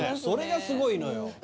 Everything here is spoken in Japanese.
それがすごいのよ